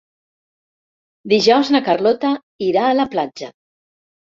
Dijous na Carlota irà a la platja.